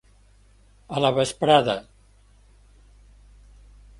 A la vesprada.